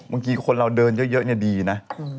บางทีคนเราเดินเยอะดีนะ